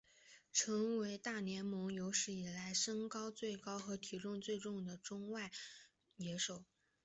成为大联盟有史以来身高最高和体重最重的中外野手。